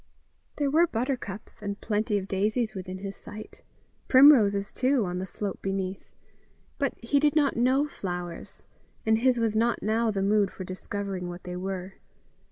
There were buttercups and plenty of daisies within his sight primroses, too, on the slope beneath; but he did not know flowers, and his was not now the mood for discovering what they were.